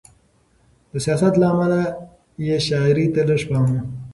د سیاست له امله یې شاعرۍ ته لږ پام و.